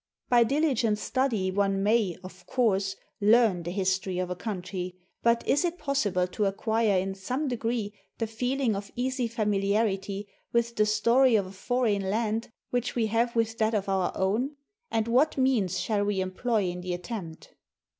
By diligent study one may, of course, learn the history of a country; but is it possible to acquire in some degree the feeling of easy familiarity with the story of a foreign land which we have with that of our own, and what means shall we employ in the attempt?